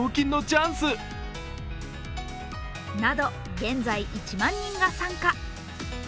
現在、１万人が参加。